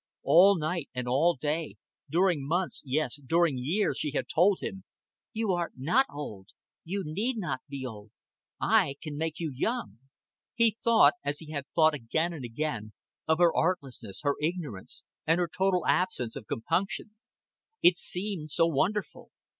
All night and all day, during months, yes, during years, she had told him: "You are not old; you need not be old; I can make you young." He thought, as he had thought again and again, of her artlessness, her ignorance, and her total absence of compunction. It seemed so wonderful.